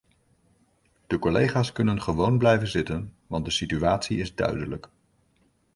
De collega's kunnen gewoon blijven zitten, want de situatie is duidelijk.